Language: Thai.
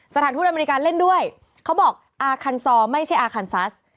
สถานทูตอเมริกาเล่นด้วยเขาบอกอาคันซอไม่ใช่อาคันซัส